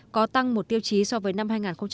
có tăng một tiêu chí so với năm hai nghìn một mươi tám